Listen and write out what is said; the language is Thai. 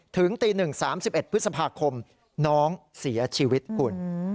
ถึงตี๑๓๑พฤษภาคมน้องเสียชีวิตคุณ